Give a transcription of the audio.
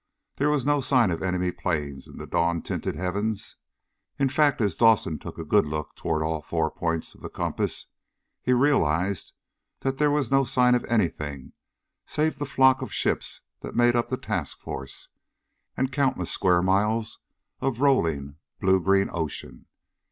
There was no sign of enemy planes in the dawn tinted heavens. In fact, as Dawson took a good look toward all four points of the compass he realized that there was no sign of anything save the flock of ships that made up the task force, and countless square miles of rolling blue green ocean.